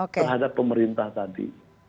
terhadap pemerintah tadi